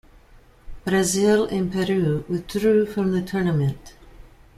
Brazil and Peru withdrew from the tournament.